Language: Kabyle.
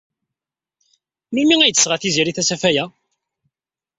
Melmi ay d-tesɣa Tiziri tasafa-a?